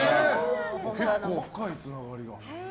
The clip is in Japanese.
結構、深いつながりが。